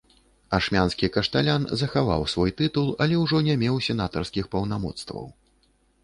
Ашмянскі кашталян захаваў свой тытул, але ўжо не меў сенатарскіх паўнамоцтваў.